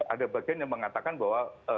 ada bagian yang mengatakan bahwa